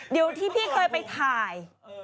เดี๋ยวที่พี่เคยไปถ่าย